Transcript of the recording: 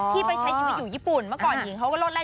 ที่ไปใช้ชีวิตอยู่ญี่ปุ่นเมื่อก่อนนางหญิงก็โรดแรน